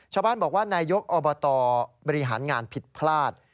ชาวบ้านบอกว่านายกอบตบริหารงานผิดพลาด